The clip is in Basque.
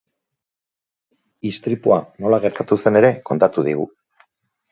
Istripua nola gertatu zen ere kontatu digu.